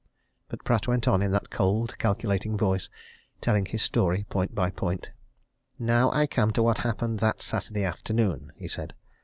But Pratt went on in that cold, calculating voice, telling his story point by point. "Now I come to what happened that Saturday afternoon," he said.